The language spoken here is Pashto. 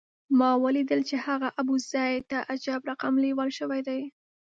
ما ولیدل چې هغه ابوزید ته عجب رقم لېوال شوی دی.